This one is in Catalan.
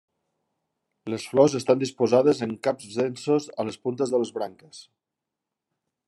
Les flors estan disposades en caps densos a les puntes de les branques.